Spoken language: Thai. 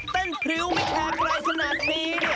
เต้นพริ้วไม่แท้ใครขนาดนี้